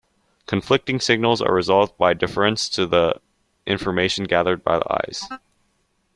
Conflicting signals are resolved by deference to the information gathered by the eyes.